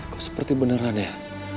kok seperti beneran ya